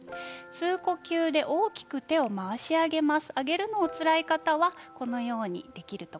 吸う呼吸で大きく手を回し上げます。